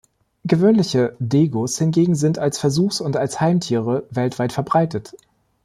Gewöhnliche Degus hingegen sind als Versuchs- und als Heimtiere weltweit verbreitet.